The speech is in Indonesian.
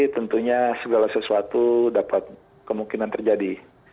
tentunya segala sesuatu dapat kemungkinan terjadi